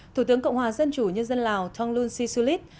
thủ tướng cộng hòa dân chủ nhân dân lào thonglun sisulit